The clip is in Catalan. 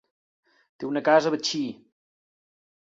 Té una casa a Betxí.